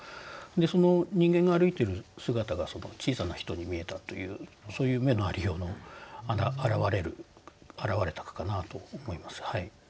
その人間が歩いてる姿が小さな人に見えたというそういう目のありようの表れた句かなと思います。